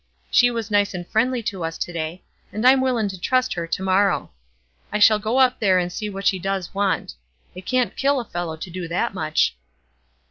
She was nice and friendly to us to day, and I'm willin' to trust her to morrow. I shall go up there and see what she does want. It can't kill a fellow to do that much."